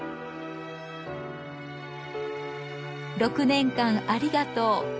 「６年間ありがとう」